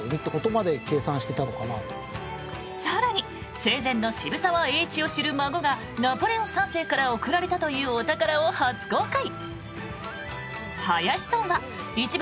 更に生前の渋沢栄一を知る孫がナポレオン３世から贈られたという、お宝を初公開。